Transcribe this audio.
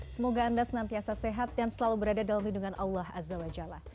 semoga anda senantiasa sehat dan selalu berada dalam lindungan allah azza wa jalla